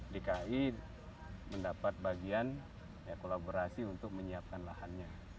dki mendapat bagian kolaborasi untuk menyiapkan lahannya